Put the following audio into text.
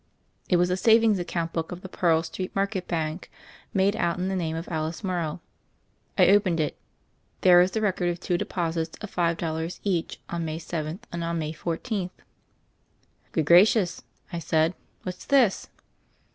It was a savings account book of the Pearl Street Market Bank made out in the name of Alice Morrow. I opened it. There was the record of two deposits of five dollars each on May 7th and on May 14th. "Good gracious 1" I said. "What's this?'